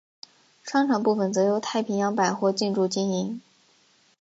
商场部份则由太平洋百货进驻经营。